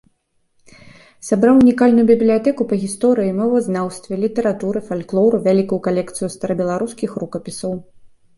Сабраў унікальную бібліятэку па гісторыі, мовазнаўстве, літаратуры, фальклору, вялікую калекцыю старабеларускіх рукапісаў.